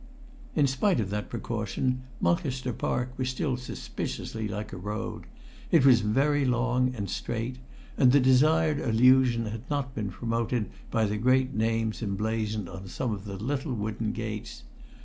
In spite of that precaution Mulcaster Park was still suspiciously like a road. It was very long and straight, and the desired illusion had not been promoted by the great names emblazoned on some of the little wooden gates.